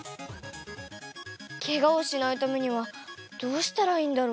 ケガをしないためにはどうしたらいいんだろう。